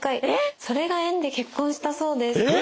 それが縁で結婚したそうです。え！